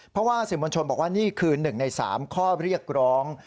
เพราะว่าสื่อมวลชนบอกว่านี่คือ๑ใน๓ข้อเรียกร้อง